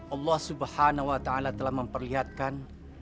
allah subhanahu wa ta'ala telah memperlihatkan